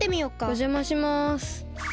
おじゃまします。